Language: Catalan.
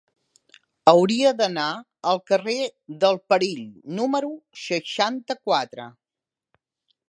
Hauria d'anar al carrer del Perill número seixanta-quatre.